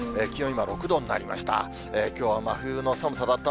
今、６度になりました。